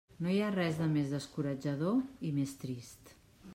No hi ha res de més descoratjador i més trist!